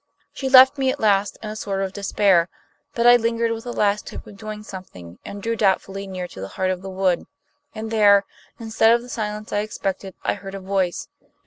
She left me at last in a sort of despair, but I lingered with a last hope of doing something, and drew doubtfully near to the heart of the wood; and there, instead of the silence I expected, I heard a voice.